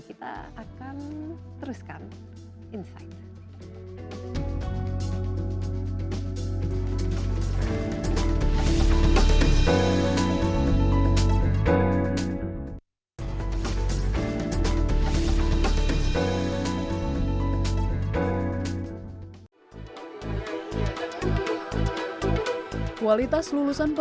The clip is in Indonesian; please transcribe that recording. kita akan teruskan